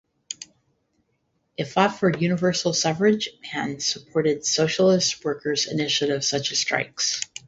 It fought for universal suffrage and supported socialist workers' initiatives such as strikes.